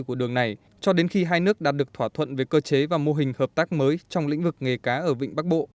của đường này cho đến khi hai nước đạt được thỏa thuận về cơ chế và mô hình hợp tác mới trong lĩnh vực nghề cá ở vịnh bắc bộ